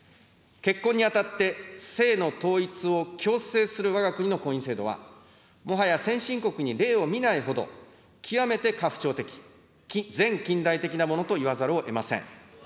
結婚にあたって、姓の統一を強制するわが国の婚姻制度は、もはや先進国に例を見ないほど極めて家父長的、前近代的なものといわざるをえません。